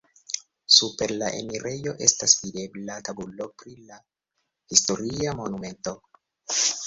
Super la enirejo estas videbla tabulo pri la historia monumento.